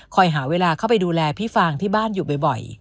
หาเวลาเข้าไปดูแลพี่ฟางที่บ้านอยู่บ่อย